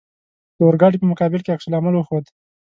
د اورګاډي په مقابل کې عکس العمل وښود.